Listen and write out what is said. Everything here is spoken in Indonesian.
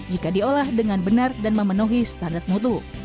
jika diolah dengan benar dan memenuhi standar mutu